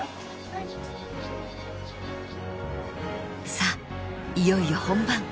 ［さあいよいよ本番］